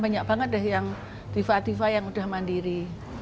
banyak banget deh yang diva diva yang udah mandiri